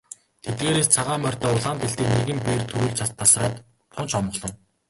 Тэдгээрээс цагаан морьтой улаан дээлтэй нэгэн бээр түрүүлж тасраад тун ч омголон.